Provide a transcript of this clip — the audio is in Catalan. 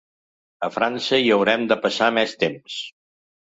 A França hi haurem de passar més temps.